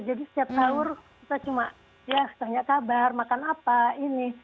setiap sahur kita cuma ya tanya kabar makan apa ini